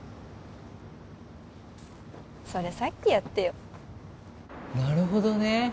それさっきやってよなるほどね